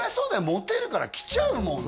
モテるから来ちゃうもん